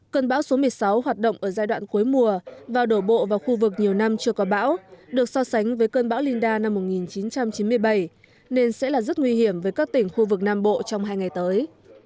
cơn bão số một mươi sáu hoạt động ở giai đoạn cuối mùa và đổ bộ vào khu vực nhiều năm chưa có bão được so sánh với cơn bão linda năm một nghìn chín trăm chín mươi bảy nên sẽ là rất nguy hiểm với các tỉnh khu vực nam bộ trong hai ngày tới